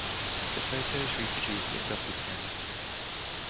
The photo is reproduced in Docuscanner.